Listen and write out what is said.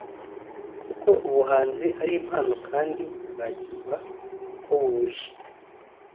kuko ubuhanzi ari impano kandi bwakirwa uko buje